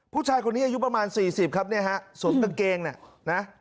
ผู้ชายคนนี้อายุประมาณ๔๐ครับเนี่ยฮะสวมกางเกงเนี่ยนะ